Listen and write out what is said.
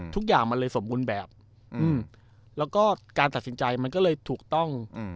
ทุกอย่างมันเลยสมบูรณ์แบบแล้วก็การตัดสินใจมันก็เลยถูกต้อง